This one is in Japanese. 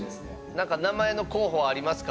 何か名前の候補はありますか？